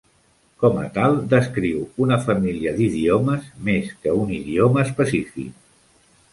Com a tal, descriu una família d'idiomes més que un idioma específic.